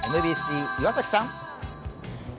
ＭＢＣ・岩崎さん。